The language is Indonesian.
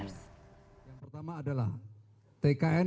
yang pertama adalah tkn